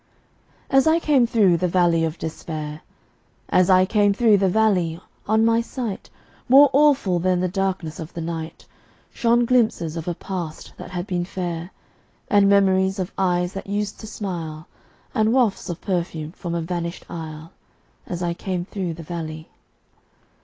] As I came through the Valley of Despair, As I came through the valley, on my sight, More awful than the darkness of the night, Shone glimpses of a Past that had been fair, And memories of eyes that used to smile, And wafts of perfume from a vanished isle, As I came through the valley.